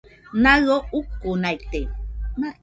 Naɨio ukunaite